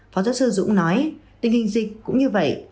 phó giáo sư dũng nói tình hình dịch cũng như vậy